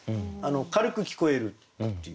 軽く聞こえるっていう。